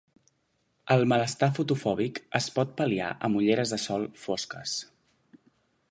El malestar fotofòbic es pot pal·liar amb ulleres de sol fosques.